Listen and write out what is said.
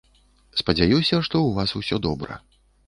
Спадзяюся, што ў вас усё добра.